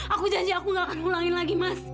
aku janji aku gak akan ngulangin lagi mas